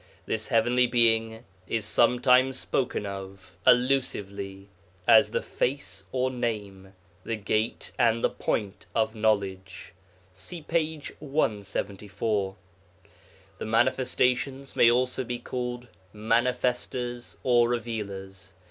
This Heavenly Being is sometimes spoken of allusively as the Face or Name, the Gate and the Point (of Knowledge). See p. 174. The Manifestations may also be called Manifesters or Revealers.